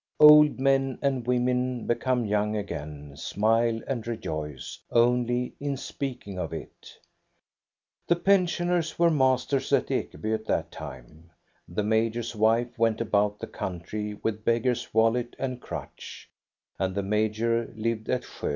Old men and women be come young again, smile and rejoice, only in speaking of it. The pensioners were masters at* Ekeby at that time. The major's wife went about the country with beggar's wallet and crutch, and the major lived at Sjo.